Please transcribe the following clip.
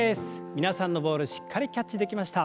皆さんのボールしっかりキャッチできました。